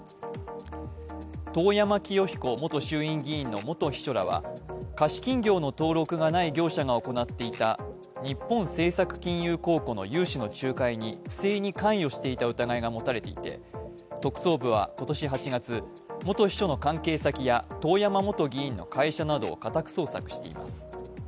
遠山清彦元衆院議員の元秘書らは、貸金業の登録がない業者が行っていた日本政策金融公庫の融資の仲介に不正に関与していた疑いが持たれていて特捜部は今年８月、元秘書の関係先や遠山元議員の会社などを家宅捜索しています。